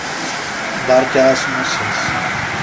Beṛka asmusses!